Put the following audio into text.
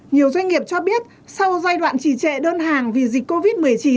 nhiều doanh nghiệp cho biết sau giai đoạn trì trệ đơn hàng vì dịch covid một mươi chín